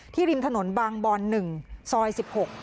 ที่ริมถนนบางบอนหนึ่งซอยสิบหก